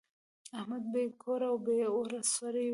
احمد بې کوره او بې اوره سړی دی.